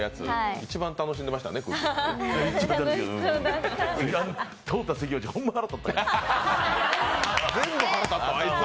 一番楽しんでましたね、くっきー！